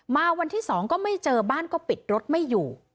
มาวันที่๒ก็ไม่เจอบ้านก็ปิดรถไม่อยู่